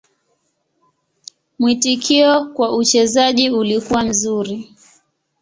Mwitikio kwa uchezaji ulikuwa mzuri.